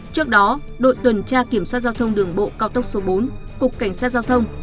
trước đó đội tuần tra kiểm soát giao thông đường bộ cao tốc số bốn cục cảnh sát giao thông